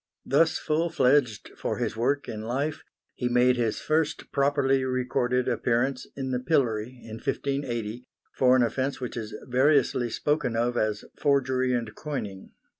Thus full fledged for his work in life, he made his first properly recorded appearance in the pillory in 1580, for an offence which is variously spoken of as forgery and coining.